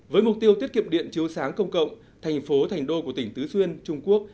với mục tiêu tiết kiệm điện chiếu sáng công cộng thành phố thành đô của tỉnh tứ xuyên trung quốc